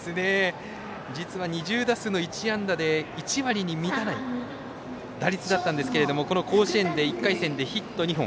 実は２０打数の１安打で１割に満たない打率だったんですけどこの甲子園で１回戦でヒット２本。